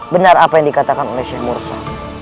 benar apa yang dikatakan oleh sheikh mursa